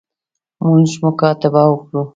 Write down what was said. موږ مکاتبه وکړو.